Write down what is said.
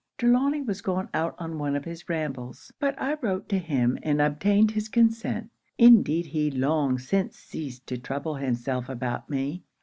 Trelawny was gone out on one of his rambles; but I wrote to him and obtained his consent indeed he long since ceased to trouble himself about me.